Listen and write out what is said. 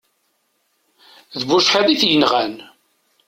D bucḥiḍ i t-inɣan.